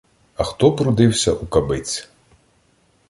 А хто прудився у кабиць.